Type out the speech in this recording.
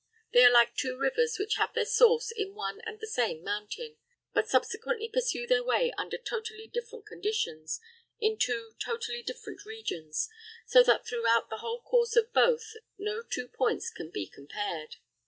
They are like two rivers which have their source in one and the same mountain, but subsequently pursue their way under totally different conditions in two totally different regions, so that throughout the whole course of both no two points can be compared.